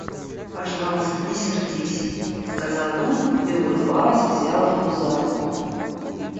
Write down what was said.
Пожалуйста, не сердись, — сказал он и улыбаясь взял его за руку.